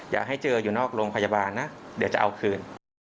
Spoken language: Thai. อย่าให้เจออยู่นอกโรงพยาบาลนะเดี๋ยวจะเอาคืน